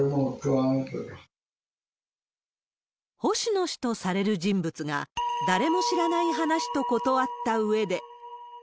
星野氏とされる人物が、誰も知らない話と断ったうえで。